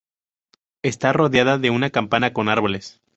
Está rodeada de una campa con árboles.